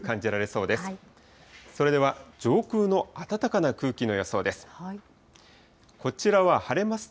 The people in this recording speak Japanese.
それでは上空の暖かな空気の予想です。